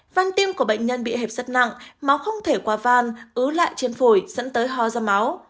văn tim của bệnh nhân bị hẹp sắt nặng máu không thể qua văn ứ lại trên phổi dẫn tới hoa ra máu